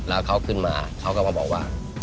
แล้วเขาขึ้นมาเขาก็มาบอกว่า